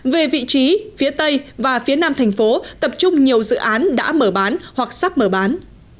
về vị trí phía tây và phía nam thành phố tập trung nhiều dự án đã mở bán hoặc sắp mở bán